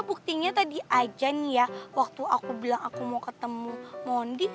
buktinya tadi ajan ya waktu aku bilang aku mau ketemu mondi